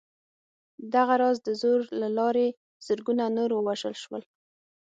دغه راز د زور له لارې زرګونه نور ووژل شول